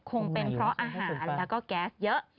คงเป็นเพราะอาหารแล้วก็แก๊สเยอะ